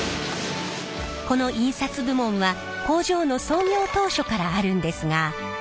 この印刷部門は工場の創業当初からあるんですが。